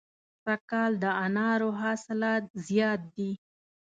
سږ کال د انارو حاصلات زیات دي.